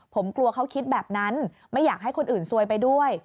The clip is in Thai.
ผมกลัวเขาคิดแบบนั้นไม่อยากให้คนอื่นซวยไปด้วย